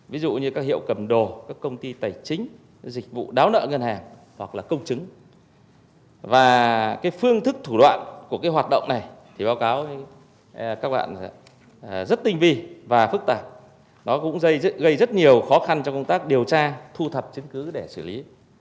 vì báo cáo các bạn rất tinh vi và phức tạp nó cũng gây rất nhiều khó khăn cho công tác điều tra thu thập chứng cứ để xử lý